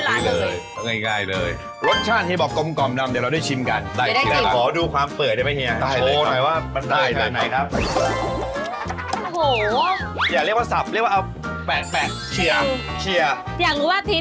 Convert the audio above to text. ก็เลยตั้งชื่อเป็นชื่อล้านนังสิ